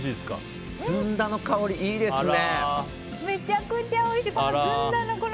ずんだの香り、いいですね。